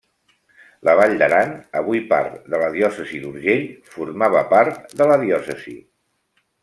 La vall d'Aran, avui part de la diòcesi d'Urgell, formava part de la diòcesi.